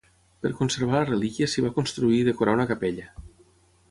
Per conservar la relíquia s'hi va construir i decorar una capella.